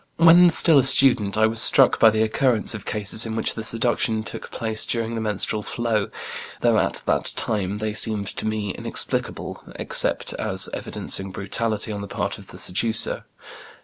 When still a student I was struck by the occurrence of cases in which seduction took place during the menstrual flow, though at that time they seemed to me inexplicable, except as evidencing brutality on the part of the seducer.